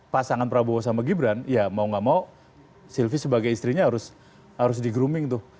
pasangan prabowo sama gibran ya mau gak mau sylvi sebagai istrinya harus di grooming tuh